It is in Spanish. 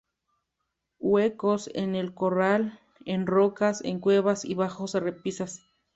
Huecos en el coral, en rocas, en cuevas y bajo repisas.